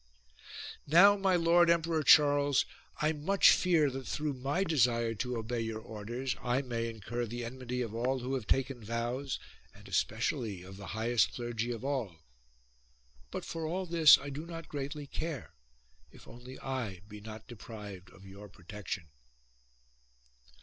1 8. Now, my Lord Emperor Charles, I much fear that through my desire to obey your orders I may incur the enmity of all who have taken vows and especially of the highest clergy of all. But for all this I do not greatly care, if only I be not deprived of your protection.